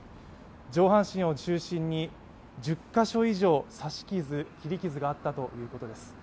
上半身を中心に１０か所以上、刺し傷、切り傷があったということです。